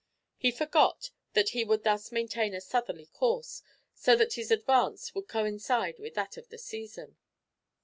He forgot that he would thus maintain a southerly course, so that his advance would coincide with that of the season.